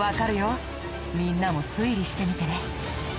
みんなも推理してみてね。